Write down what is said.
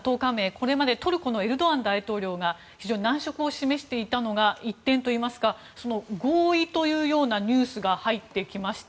これまでトルコのエルドアン大統領が非常に難色を示していたのが一転といいますか合意というニュースが入ってきました。